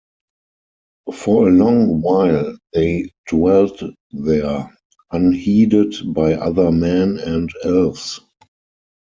For a long while they dwelt there, unheeded by other Men and Elves.